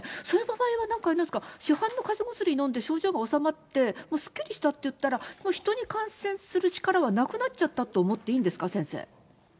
そういった場合は、なんか市販のかぜ薬飲んで症状が治まって、もうすっきりしたっていったら、人の感染する力はなくなっちゃったと思っていいんですか？